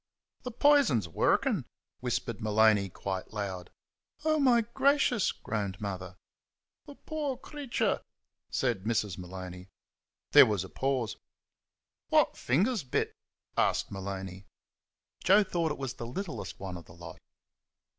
"The pison's wurrkin'," whispered Maloney quite loud. "Oh, my gracious!" groaned Mother. "The poor crathur," said Mrs. Maloney. There was a pause. "Phwhat finger's bit?" asked Maloney. Joe thought it was the littlest one of the lot.